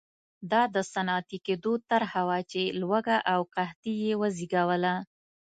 دا د صنعتي کېدو طرحه وه چې لوږه او قحطي یې وزېږوله.